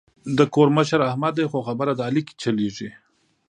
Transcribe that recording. د کور مشر احمد دی خو خبره د علي چلېږي.